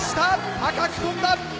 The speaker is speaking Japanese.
高く飛んだ！